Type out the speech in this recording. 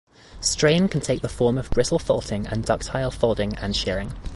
Strain can take the form of brittle faulting and ductile folding and shearing.